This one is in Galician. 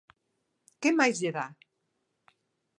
¿Que máis lle dá?